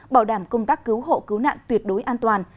bảo đảm công tác cứu hộ cứu nạn tuyệt đối an toàn